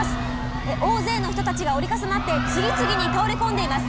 大勢の人たちが折り重なって次々に倒れ込んでいます。